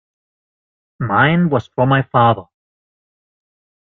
Mine was from my father.